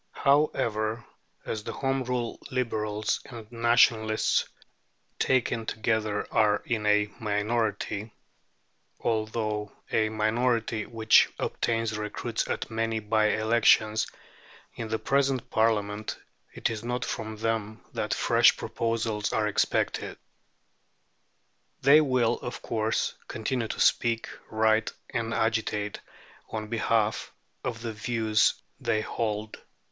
However, as the Home Rule Liberals and Nationalists, taken together, are in a minority (although a minority which obtains recruits at many bye elections) in the present Parliament, it is not from them that fresh proposals are expected. They will, of course, continue to speak, write, and agitate on behalf of the views they hold.